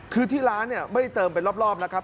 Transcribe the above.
คือที่ร้านเนี่ยไม่เติมเป็นรอบนะครับ